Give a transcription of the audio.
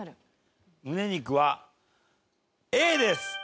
ムネ肉はＡです！